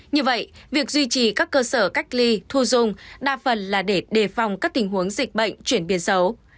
như vậy việc duy trì các cơ sở cách ly thu dung đa phần là để đề phòng các tình huống dịch bệnh chuyển biến xấu